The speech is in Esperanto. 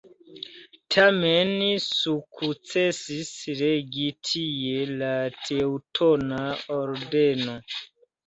Tamen sukcesis regi tie la Teŭtona Ordeno.